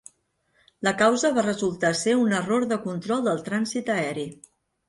La causa va resultar ser un error de control del trànsit aeri.